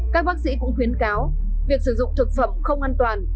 các bác sĩ cũng khuyến cáo việc sử dụng thực phẩm không an toàn